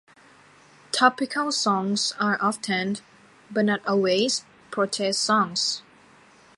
Topical songs are often, but not always, protest songs.